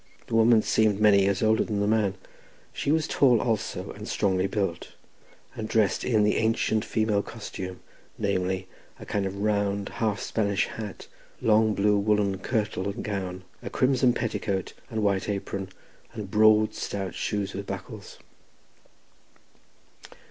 The woman seemed many years older than the man; she was tall also, and strongly built, and dressed in the ancient Welsh female costume, namely, a kind of round half Spanish hat, long blue woollen kirtle, or gown, a crimson petticoat, and white apron, and broad, stout shoes with buckles.